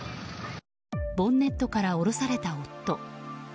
ボンネットから降ろされた夫。